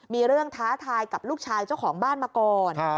มีเรื่องท้าทายกับลูกชายเจ้าของบ้านมาก่อน